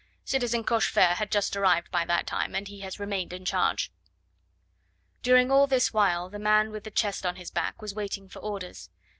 Citizen Cochefer had just arrived by that time, and he has remained in charge." During all this while the man with the chest on his back was waiting for orders.